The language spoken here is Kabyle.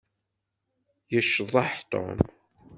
Yecḍeḥ Tom.